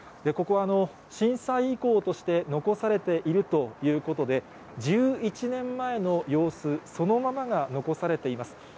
ここは震災遺構として残されているということで、１１年前の様子、そのままが残されています。